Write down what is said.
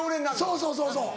そうそうそうそう。